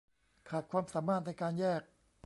ขาดความสามารถในการแยก